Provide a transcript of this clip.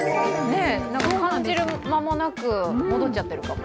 そう感じる間もなく変わっちゃってたかも。